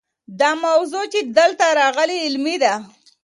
دا موضوع چې دلته راغلې علمي ده.